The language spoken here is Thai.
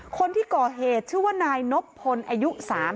คนที่ก่อเหตุชื่อว่านายนบพลอายุ๓๐